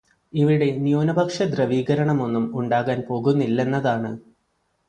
ഇവിടെ ന്യൂനപക്ഷധ്രവീകരണമൊന്നും ഉണ്ടാകാൻ പോകുന്നില്ലെന്നതാണ്.